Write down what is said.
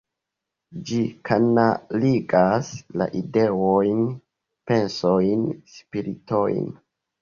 Ĝi kanaligas la ideojn, pensojn, spiritojn.